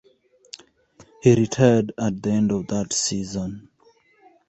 He retired at the end of that season.